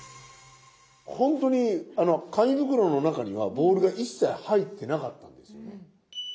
本当に紙袋の中にはボールが一切入ってなかったんですよ。